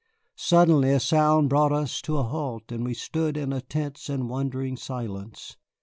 Suddenly a sound brought us to a halt, and we stood in a tense and wondering silence.